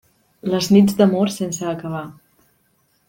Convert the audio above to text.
Les nits d'amor sense acabar.